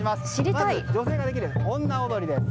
まず、女性がする女踊りです。